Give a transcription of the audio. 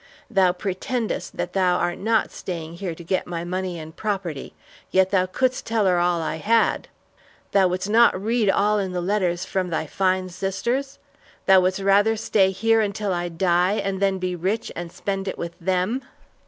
Thou pretendest that thou art not staying here to get my money and property, yet thou couldst tell her all I had. Thou wouldst not read all in the letters from thy fine sisters? Thou wouldst rather stay here until I die and then be rich and spend it with them!"